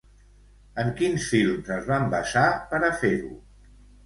En quins films es van basar per a fer-ho?